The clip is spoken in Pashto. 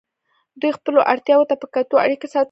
دوی خپلو اړتیاوو ته په کتو اړیکې ساتلې وې.